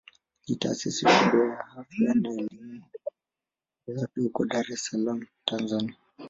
Ni taasisi kubwa ya afya na elimu ya afya huko Dar es Salaam Tanzania.